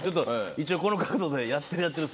一応この角度で「やってるやってる」。